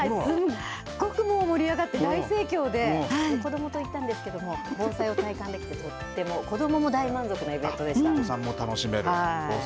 すっごくもう、盛り上がって、大盛況で、子どもと行ったんですけれども、防災を体感できて、とっても、子どもも大満足なイベンお子さんも楽しめる。